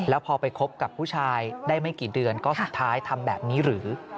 แล้วพอไปคบกับผู้ชายได้ไม่กี่เดือนก็สุดท้ายทำแบบนี้หรือ